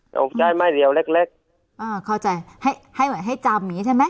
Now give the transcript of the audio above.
เราใช้ไม้เดียวเล็กเล็กอ่าเข้าใจให้ให้เหมือนให้จำนี้ใช่ไหม